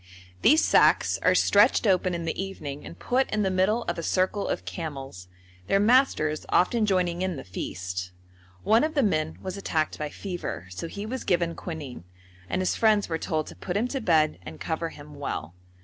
These sacks are stretched open in the evening and put in the middle of a circle of camels, their masters often joining in the feast. One of the men was attacked by fever, so he was given quinine, and his friends were told to put him to bed and cover him well.